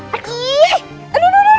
aduh aduh aduh